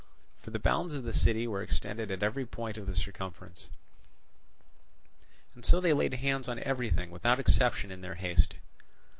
For the bounds of the city were extended at every point of the circumference; and so they laid hands on everything without exception in their haste.